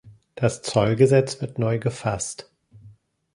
Das Zollgesetz wird neu gefasst.